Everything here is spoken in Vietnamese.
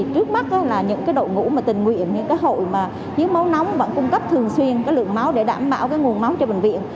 trước mắt là những đội ngũ tình nguyện những hội chiếc máu nóng vẫn cung cấp thường xuyên lượng máu để đảm bảo nguồn máu cho bệnh viện